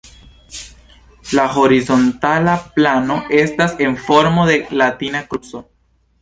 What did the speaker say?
La horizontala plano estas en formo de latina kruco.